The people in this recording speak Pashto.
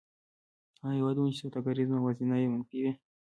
هغه هېوادونه چې سوداګریزه موازنه یې منفي وي